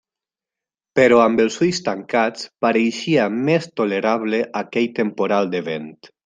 Però amb els ulls tancats pareixia més tolerable aquell temporal de vent.